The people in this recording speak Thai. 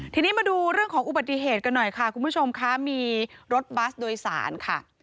ทีนี้มาดูเรื่องของอุบัติเหตุกันหน่อยค่ะคุณผู้ชมค่ะมีรถบัสโดยสารค่ะ